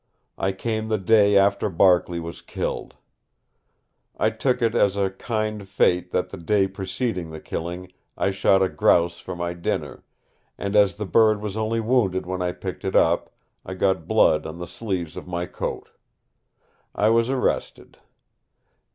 I came the day after Barkley was killed. I took it as a kind fate that the day preceding the killing I shot a grouse for my dinner, and as the bird was only wounded when I picked it up, I got blood on the sleeves of my coat. I was arrested.